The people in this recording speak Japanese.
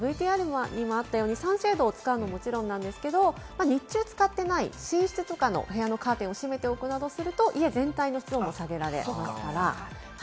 ＶＴＲにもあったように、サンシェードを使うのももちろんなんですけれども、日中使っていない寝室のカーテンなどを閉めておくと、部屋全体温度を下げられますから。